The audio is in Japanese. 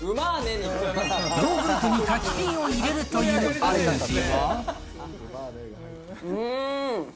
ヨーグルトに柿ピーを入れるというアレンジは。